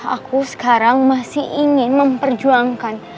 aku sekarang masih ingin memperjuangkan